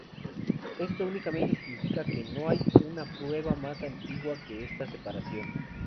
Esto únicamente significa, que no hay una prueba más antigua de esta separación.